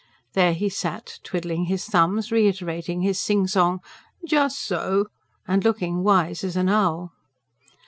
There he sat, twiddling his thumbs, reiterating his singsong: "Just so!" and looking wise as an owl.